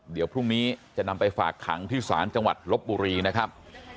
เดี๋ยวพรุ่งนี้จะนำไปฝากขังที่ศาลจังหวัดลบบุรีนะครับ